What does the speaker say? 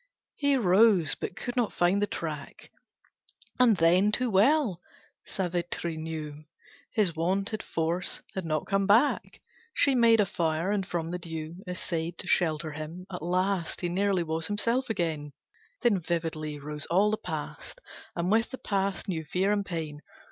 He rose, but could not find the track, And then, too well, Savitri knew His wonted force had not come back. She made a fire, and from the dew Essayed to shelter him. At last He nearly was himself again, Then vividly rose all the past, And with the past, new fear and pain.